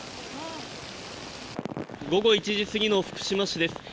午後１時過ぎの福島市です。